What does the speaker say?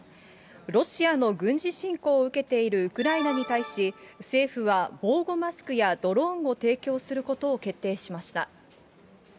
ロシアの軍事侵攻を受けているウクライナに対し、政府は防護マスクやドローンを提供することを決定しました。